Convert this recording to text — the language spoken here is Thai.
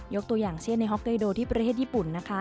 ตัวอย่างเช่นในฮอกไกโดที่ประเทศญี่ปุ่นนะคะ